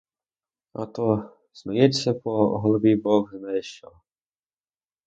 А то снується по голові бог знає що!